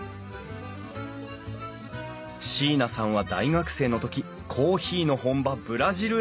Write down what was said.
椎名さんは大学生の時コーヒーの本場ブラジルへ留学。